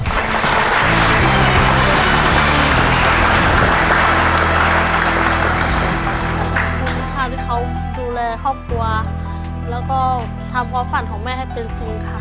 ขอบคุณค่ะที่เขาดูแลครอบครัวแล้วก็ทำความฝันของแม่ให้เป็นจริงค่ะ